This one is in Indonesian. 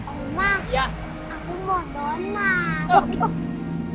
omah aku mau donat